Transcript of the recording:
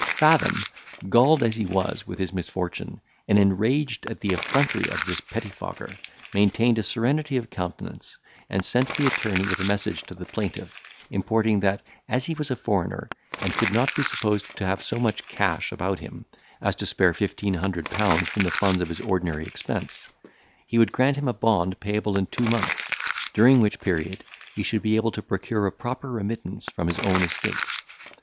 Fathom, galled as he was with his misfortune, and enraged at the effrontery of this pettifogger, maintained a serenity of countenance, and sent the attorney with a message to the plaintiff, importing, that, as he was a foreigner, and could not be supposed to have so much cash about him, as to spare fifteen hundred pounds from the funds of his ordinary expense, he would grant him a bond payable in two months, during which period he should be able to procure a proper remittance from his own estate.